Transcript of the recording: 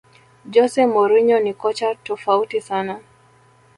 jose mourinho ni kocha tofautisana